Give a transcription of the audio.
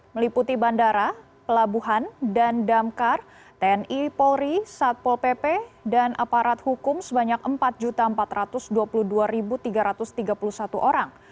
meliputi bandara pelabuhan dan damkar tni polri satpol pp dan aparat hukum sebanyak empat empat ratus dua puluh dua tiga ratus tiga puluh satu orang